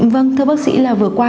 vâng thưa bác sĩ là vừa qua